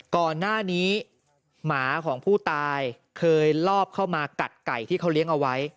ก่อนหน้านี้หมาของผู้ตายเคยลอบเข้ามากัดไก่ที่เขาเลี้ยงเอาไว้